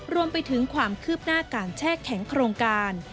รวมไปถึงความคืบหน้าการแช่แข็งโครงการ